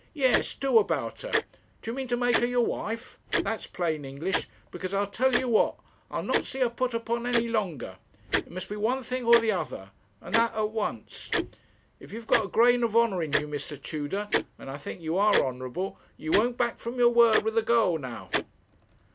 'Yes, do about her. Do you mean to make her your wife? That's plain English. Because I'll tell you what: I'll not see her put upon any longer. It must be one thing or the other; and that at once. And if you've a grain of honour in you, Mr. Tudor and I think you are honourable you won't back from your word with the girl now.'